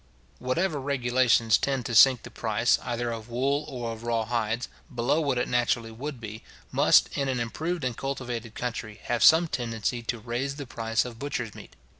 Whatever regulations tend to sink the price, either of wool or of raw hides, below what it naturally would be, must, in an improved and cultivated country, have some tendency to raise the price of butcher's meat.